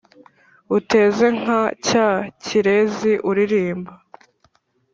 Uteze nka cya kirezi uririmba